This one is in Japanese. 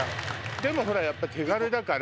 でもほらやっぱ手軽だから。